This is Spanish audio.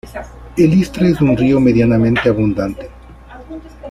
El Istra es un río medianamente abundante.